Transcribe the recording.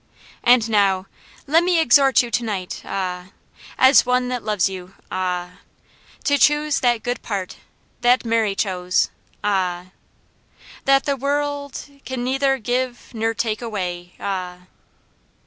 And now, lemme exhort you to night ah, As one that loves you ah, To choose that good part, that Mary chose ah, That the worrrr uld kin neither give ner take away ah."